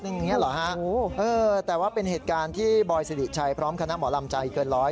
อย่างนี้เหรอฮะเออแต่ว่าเป็นเหตุการณ์ที่บอยสิริชัยพร้อมคณะหมอลำใจเกินร้อย